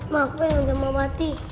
mak aku yang udah mau mati